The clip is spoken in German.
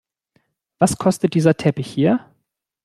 Was kostet dieser Teppich hier?